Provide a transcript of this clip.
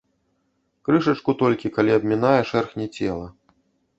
Крышачку толькі, калі абмінае, шэрхне цела.